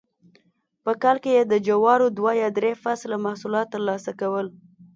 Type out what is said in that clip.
په کال کې یې د جوارو دوه یا درې فصله محصولات ترلاسه کول